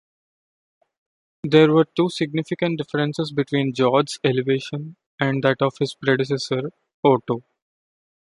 There were two significant differences between George's elevation and that of his predecessor, Otto.